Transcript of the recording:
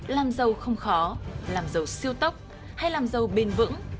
làm giàu không khó làm giàu siêu tốc hay làm giàu bền vững